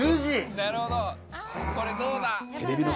なるほどこれどうだ。